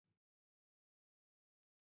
他是一位哲学家和经济学家。